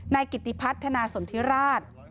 นายกิติพัฒนาสนธิราช